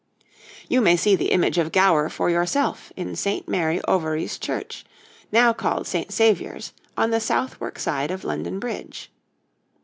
You may see the image of Gower for yourself in St. Mary Overies Church, now called St. Saviour's, on the Southwark side of London Bridge.